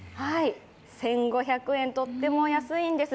１５００円、とってもお安いんです。